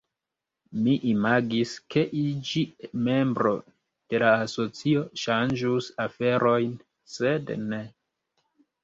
Mi imagis, ke iĝi membro de la asocio ŝanĝus aferojn, sed ne.